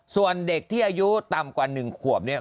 ส่วนเด็กที่อายุต่ำกว่า๑ขวบเนี่ย